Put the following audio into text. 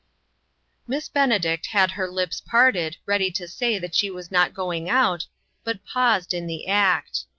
Miss Benedict had her lips parted, ready to say that she was not going out, but paused in the act.